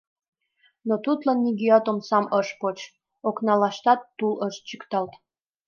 Но Тудлан нигӧат омсам ыш поч, окналаштат тул ыш чӱкталт.